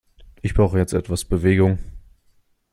Ich brauche jetzt etwas Bewegung.